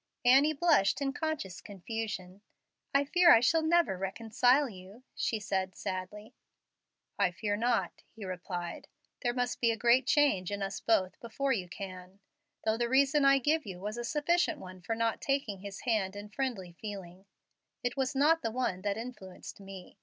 Annie blushed, in conscious confusion. "I fear I shall never reconcile you," she said, sadly. "I fear not," he replied. "There must be a great change in us both before you can. Though the reason I give you was a sufficient one for not taking his hand in friendly feeling, it was not the one that influenced me.